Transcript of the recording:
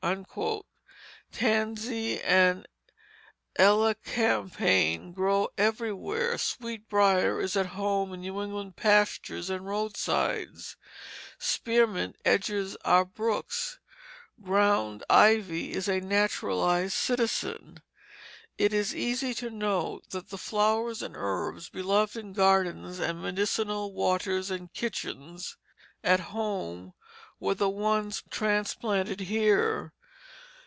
Tansy and elecampane grow everywhere. Sweet brier is at home in New England pastures and roadsides. Spearmint edges our brooks. Ground ivy is a naturalized citizen. It is easy to note that the flowers and herbs beloved in gardens and medicinal waters and kitchens "at home" were the ones transplanted here.